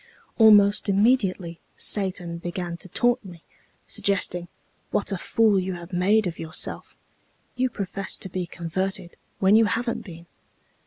Almost immediately Satan began to taunt me, suggesting, 'What a fool you have made of yourself! You profess to be converted when you haven't been!'